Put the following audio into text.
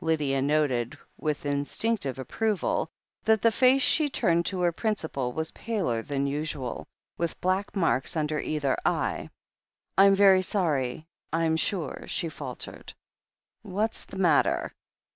Lydia noted, with instinctive approval, that the face she turned to her principal was paler than usual, with black marks under either eye. "I'm very sorry, I'm sure," she faltered. "What's the matter?"